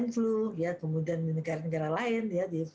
flu kemudian di negara negara lain